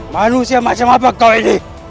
manusia macam apa kau ini